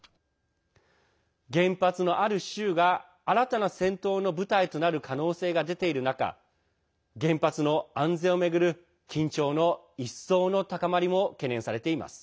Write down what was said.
原発のある州が新たな戦闘の舞台となる可能性が出ている中原発の安全を巡る緊張の一層の高まりも懸念されています。